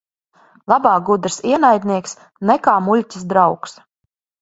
Labāk gudrs ienaidnieks nekā muļķis draugs.